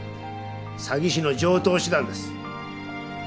詐欺師の常とう手段です。